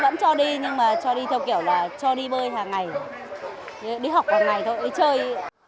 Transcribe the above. vẫn cho đi nhưng mà cho đi theo kiểu là cho đi bơi hàng ngày đi học hàng ngày thôi đi chơi